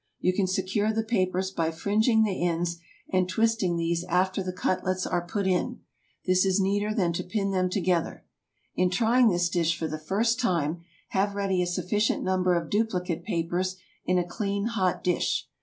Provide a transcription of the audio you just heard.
You can secure the papers by fringing the ends, and twisting these after the cutlets are put in. This is neater than to pin them together. In trying this dish for the first time, have ready a sufficient number of duplicate papers in a clean, hot dish.